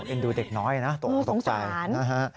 เอ็นดูเด็กน้อยนะตกสาย